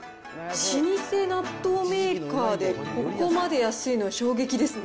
老舗納豆メーカーで、ここまで安いの衝撃ですね。